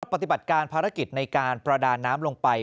ปฏิบัติการภารกิจในการประดาน้ำลงไป